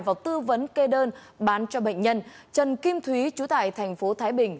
vào tư vấn kê đơn bán cho bệnh nhân trần kim thúy chủ tải tp thái bình